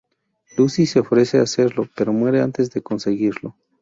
Lucy se ofrece a hacerlo, pero muere antes de conseguirlo.